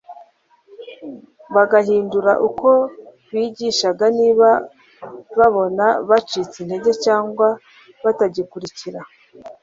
bagahindura uko bigishaga niba babona bacitse intege cyangwa batagikurikira